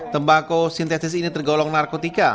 tembakau sintetis ini tergolong narkotika